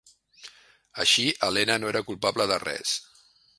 Així, Helena no era culpable de res.